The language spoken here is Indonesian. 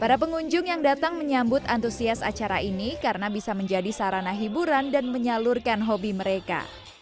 para pengunjung yang datang menyambut antusias acara ini karena bisa menjadi sarana hiburan dan menyalurkan hobi mereka